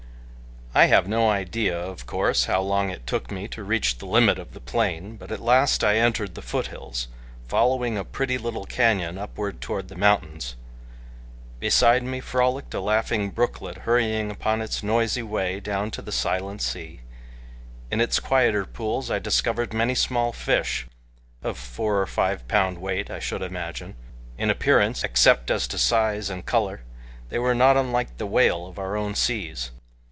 I have no idea, of course, how long it took me to reach the limit of the plain, but at last I entered the foothills, following a pretty little canyon upward toward the mountains. Beside me frolicked a laughing brooklet, hurrying upon its noisy way down to the silent sea. In its quieter pools I discovered many small fish, of four or five pound weight I should imagine. In appearance, except as to size and color, they were not unlike the whale of our own seas.